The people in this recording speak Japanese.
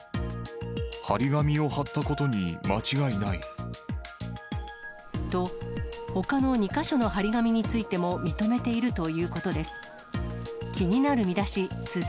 貼り紙を貼ったことに間違いと、ほかの２か所の貼り紙についても、認めているということです。